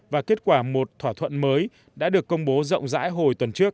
và kết quả một thỏa thuận mới đã được công bố rộng rãi hồi tuần trước